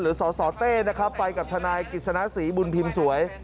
หรือศเต้ไปกับธนายกิจสนะศีบุญพิมศ์สวย